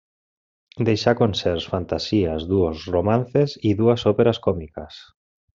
Deixà concerts, fantasies, duos, romances i dues òperes còmiques.